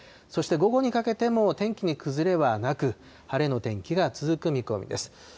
そして、午後にかけても天気に崩れはなく、晴れの天気が続く見込みです。